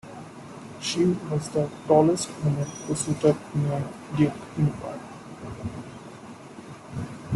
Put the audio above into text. She was the tallest woman to suit up in a Duke uniform.